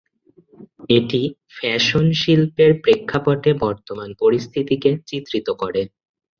এটি ফ্যাশন শিল্পের প্রেক্ষাপটে বর্তমান পরিস্থিতিকে চিত্রিত করে।